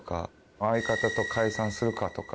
相方と解散するかとか。